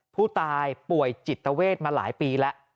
ผู้ตายป่วยจิตเวทมาหลายปีแล้ว